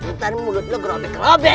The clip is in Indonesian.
ntar mulut lu grobek robek